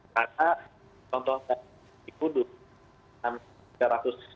karena contohnya di kudus